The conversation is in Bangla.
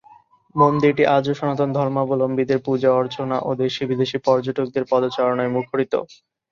মন্দিরটি আজও সনাতন ধর্মাবলম্বীদের পূজা-অর্চনা ও দেশি- বিদেশি পর্যটকদের পদচারণয় মুখরিত।